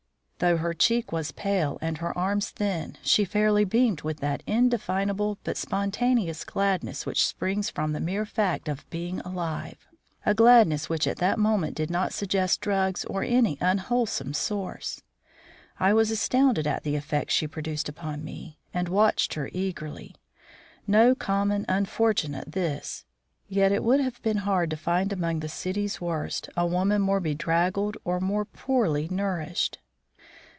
Though her cheek was pale and her arms thin, she fairly beamed with that indefinable but spontaneous gladness which springs from the mere fact of being alive, a gladness which at that moment did not suggest drugs or any unwholesome source. I was astounded at the effect she produced upon me, and watched her eagerly. No common unfortunate, this. Yet it would have been hard to find among the city's worst a woman more bedraggled or more poorly nourished.